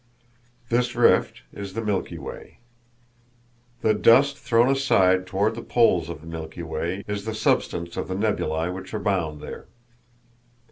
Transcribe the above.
This rift is the Milky Way. The dust thrown aside toward the poles of the Milky Way is the substance of the nebulæ which abound there.